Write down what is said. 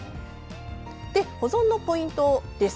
保存のポイントです。